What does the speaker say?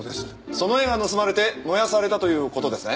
その絵が盗まれて燃やされたという事ですね？